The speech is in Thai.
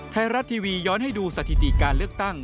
ไทยรัฐทีวีย้อนให้ดูสถิติการเลือกตั้ง